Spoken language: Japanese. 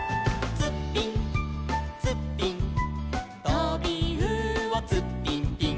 「ツッピンツッピン」「とびうおツッピンピン」